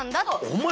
お前。